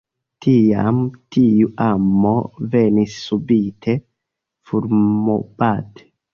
Tiam tiu amo venis subite, fulmobate?